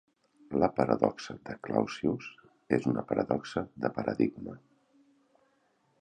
La paradoxa de Clausius és una paradoxa de paradigma.